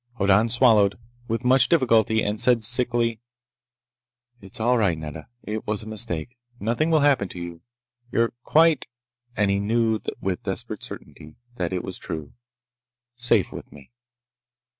Hoddan swallowed, with much difficulty, and said sickly: "It's all right, Nedda. It was a mistake. Nothing will happen to you. You're quite"—and he knew with desperate certainty that it was true—"safe with me!"